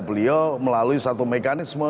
beliau melalui satu mekanisme